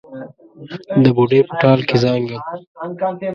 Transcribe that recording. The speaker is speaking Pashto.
د بوډۍ په ټال کې زانګم